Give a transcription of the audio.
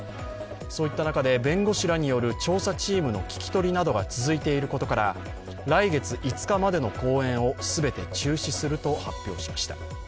そういった中で弁護士らによる調査チームの聞き取りなどが続いていることから来月５日までの公演を全て中止すると発表しました。